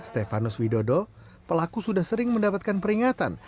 stefanus widodo pelaku sudah sering mendapatkan peringatan